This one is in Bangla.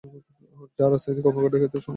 যা রাজনৈতিক কর্মকাণ্ডের ক্ষেত্রে সমস্যার কারণ।